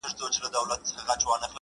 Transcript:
پردى کټ تر نيمو شپو دئ.